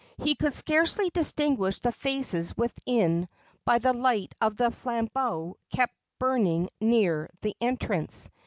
He could scarcely distinguish the faces within by the light of the flambeau kept burning near the entrance.